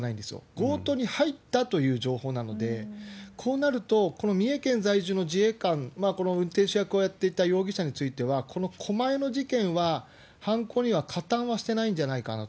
強盗に入ったという情報なので、こうなると、この三重県在住の自衛官、この運転手役をやっていた容疑者については、この狛江の事件は、犯行には加担はしてないんじゃないかなと。